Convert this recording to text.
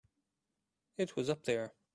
It was up there.